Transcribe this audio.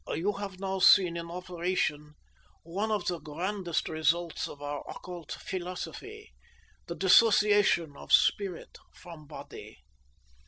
"You have now seen in operation one of the grandest results of our occult philosophy, the dissociation of spirit from body.